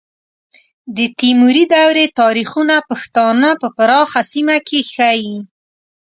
د تیموري دورې تاریخونه پښتانه په پراخه سیمه کې ښیي.